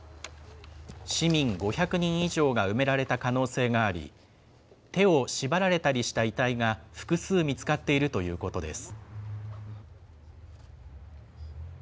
市民５００人以上が埋められた可能性があり、手を縛られたりした遺体が、複数見つかっているということです。